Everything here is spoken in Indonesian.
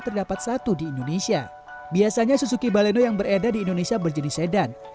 terdapat satu di indonesia biasanya suzuki baleno yang beredar di indonesia berjenis sedan